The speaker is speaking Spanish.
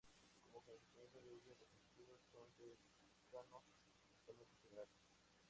Como consecuencia de ello, los cultivos son de secano, principalmente cereal.